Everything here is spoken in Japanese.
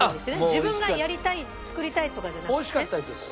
自分がやりたい作りたいとかじゃなくてね？